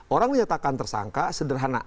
orang dinyatakan tersangka sederhana